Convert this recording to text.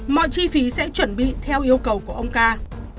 mọi chi phí sẽ chuẩn bị theo yêu cầu của ông ca